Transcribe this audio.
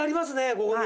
ここに。